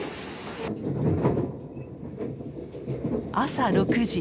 朝６時。